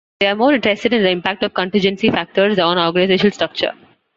They are more interested in the impact of contingency factors on organizational structure.